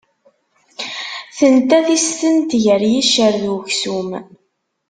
Tenta tistent gar yiccer d uksum.